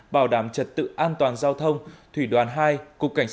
bảo đảm trật tự an toàn giao thông thủy đoàn hai